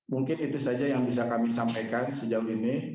mungkin itu saja yang bisa kami sampaikan sejauh ini